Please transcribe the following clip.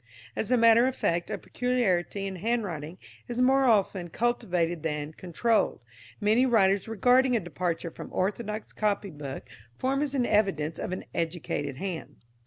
As a matter of fact a peculiarity in handwriting is more often cultivated than controlled, many writers regarding a departure from orthodox copybook form as an evidence of an "educated hand."